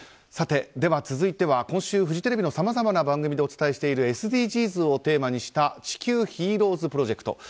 では続いては今週、フジテレビのさまざまな番組でお伝えしているＳＤＧｓをテーマにした地球ヒーローズプロジェクト。